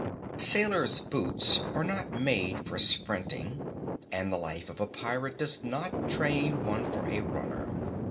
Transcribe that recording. Sailor's boots are not made for sprinting, and the life of a pirate does not train one for a runner.